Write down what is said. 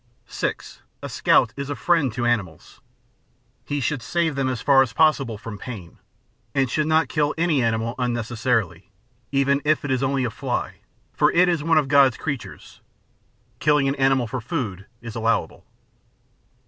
6. A Scout is a Friend to Animals. He should save them as far as possible from pain, and should not kill any animal unnecessarily, even if it is only a fly ŌĆö for it is one of God's creatures. Killing an animal for food is allow able.